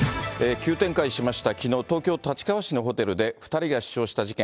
急展開しました、きのう、東京・立川市のホテルで２人が死傷した事件。